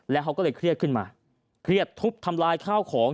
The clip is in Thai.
แล้วเขาก็เลยเครียดขึ้นมาเครียดทุบทำลายข้าวของ